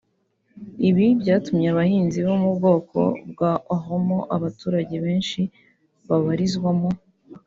Ibi byatumye abahinzi bo mu bwoko bwa Oromo (abaturage benshi babarizwamo)